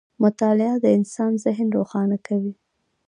• مطالعه د انسان ذهن روښانه کوي.